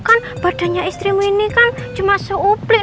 kan badannya istrimu ini kan cuma seuplik